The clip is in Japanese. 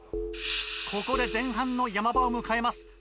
ここで前半のヤマ場を迎えます。